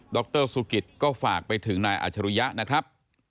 รสุกิตก็ฝากไปถึงนายอาชรุยะนะครับ